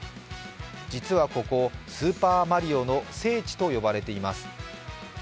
実はここ、スーパーマリオの聖地と呼ばれています。